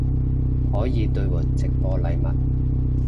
可以兑换直播禮物